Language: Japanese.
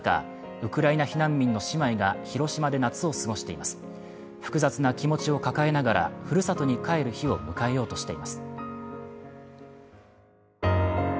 ウクライナ避難民の姉妹が広島で夏を過ごしています複雑な気持ちを抱えながらふるさとに帰る日を迎えようとしています